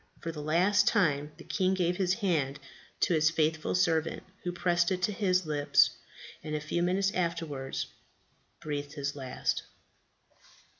For the last time the king gave his hand to his faithful servant, who pressed it to his lips, and a few minutes afterwards breathed his last.